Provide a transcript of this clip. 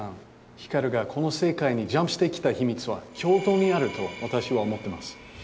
光がこの世界にジャンプしてきた秘密は京都にあると私は思ってます。